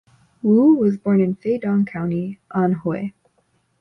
Wu was born in Feidong County, Anhui.